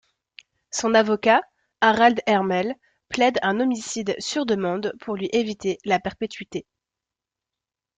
Son avocat, Harald Ermel, plaide un homicide sur demande pour lui éviter la perpétuité.